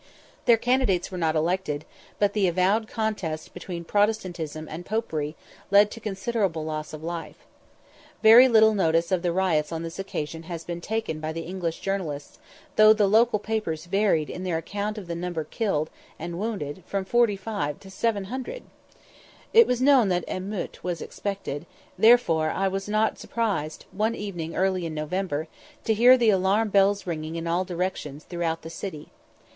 Their candidates were not elected, but the avowed contest between Protestantism and Popery led to considerable loss of life. Very little notice of the riots on this occasion has been taken by the English journalists, though the local papers varied in their accounts of the numbers of killed and wounded from 45 to 700! It was known that an émeute was expected, therefore I was not surprised, one evening early in November, to hear the alarm bells ringing in all directions throughout the city.